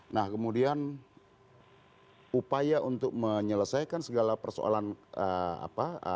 nah kemudian upaya untuk menyelesaikan segala persoalan apa